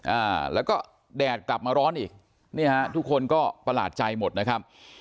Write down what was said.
อ่าแล้วก็แดดกลับมาร้อนอีกเนี่ยฮะทุกคนก็ประหลาดใจหมดนะครับ